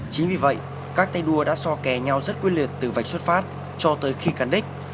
chính vì vậy các tay đua đã so kè nhau rất quyết liệt từ vạch xuất phát cho tới khi cán đích